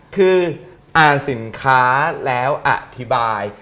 คืออ่านสินค้าแล้วอธิบาย